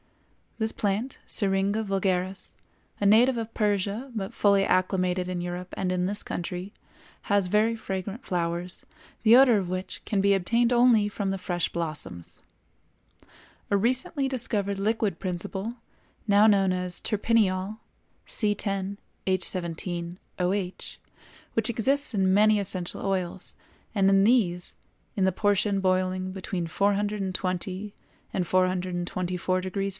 This plant, Syringa vulgaris, a native of Persia but fully acclimated in Europe and in this country, has very fragrant flowers, the odor of which can be obtained only from the fresh blossoms. A recently discovered liquid principle, now known as terpineol (C_H_OH), which exists in many essential oils, and in these, in the portion boiling between 420° and 424° F.